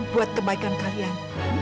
buat kebaikan kalian